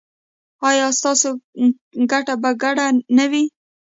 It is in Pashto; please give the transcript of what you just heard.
ایا ستاسو ګټه به ګډه نه وي؟